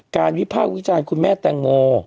วิภาควิจารณ์คุณแม่แตงโม